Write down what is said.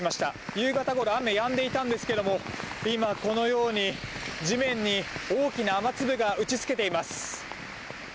夕方ごろ雨はやんでいたんですが今、このように地面に大きな雨粒が打ちつけています。